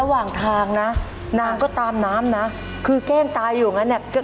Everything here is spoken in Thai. หมดแล้วก็แปนเหมือนกัน